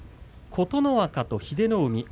琴ノ若と英乃海です。